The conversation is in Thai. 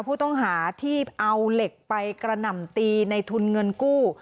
ผู้ต้องหาที่เอาเหล็กไปกระหน่ำตีในทุนเงินกู้